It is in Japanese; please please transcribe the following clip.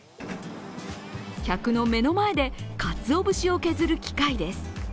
客の目の前でかつお節を削る機械です。